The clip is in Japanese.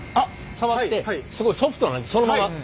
触ってすごいソフトなのでそのままああ！